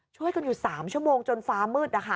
ช่วยกันอยู่๓ชั่วโมงจนฟ้ามืดนะคะ